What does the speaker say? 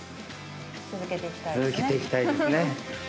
続けていきたいね。